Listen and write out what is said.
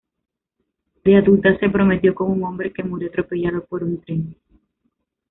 De adulta se prometió con un hombre que murió atropellado por un tren.